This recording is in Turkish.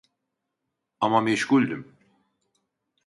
Ama meşguldüm